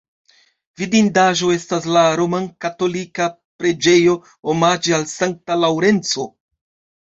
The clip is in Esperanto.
Vidindaĵo estas la romkatolika preĝejo omaĝe al Sankta Laŭrenco.